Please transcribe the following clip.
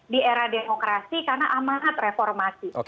di era demokrasi karena amanat reformasi